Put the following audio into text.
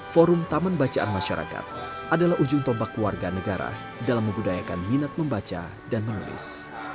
forum taman bacaan masyarakat adalah ujung tombak warga negara dalam membudayakan minat membaca dan menulis